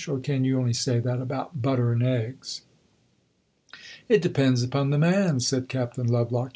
Or can you only say that about butter and eggs?" "It depends upon the man," said Captain Lovelock.